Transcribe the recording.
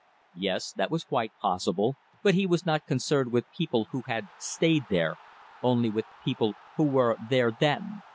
Yes, that was quite possible, but he was not concerned with people who had stayed there, only with the people who were there then.